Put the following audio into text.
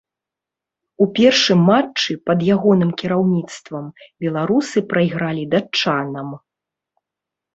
У першым матчы пад ягоным кіраўніцтвам беларусы прайгралі датчанам.